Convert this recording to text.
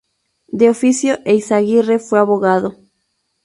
De oficio Eizaguirre fue abogado.